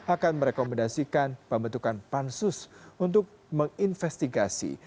akan merekomendasikan pembentukan pansus untuk menginvestigasi